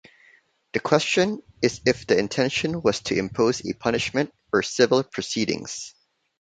The question is if the intention was to impose a punishment or "civil proceedings".